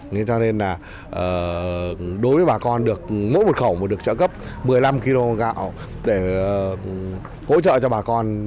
nên cho nên là đối với bà con mỗi một khẩu được trợ cấp một mươi năm kg gạo để hỗ trợ cho bà con